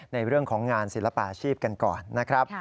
ในเรื่องของงานศิลปาชีพกันก่อนนะครับ